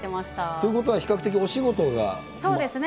ということは、比較的お仕事そうですね。